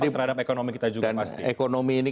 terhadap ekonomi kita juga pasti dan ekonomi ini